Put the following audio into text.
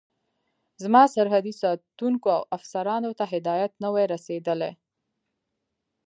زما سرحدي ساتونکو او افسرانو ته هدایت نه وي رسېدلی.